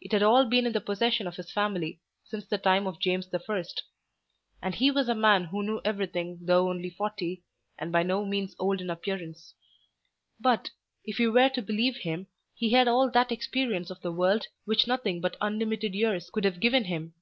It had all been in the possession of his family since the time of James I. And he was a man who knew everything though only forty, and by no means old in appearance. But, if you were to believe him, he had all that experience of the world which nothing but unlimited years could have given him.